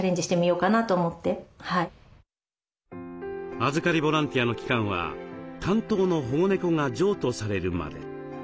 預かりボランティアの期間は担当の保護猫が譲渡されるまで。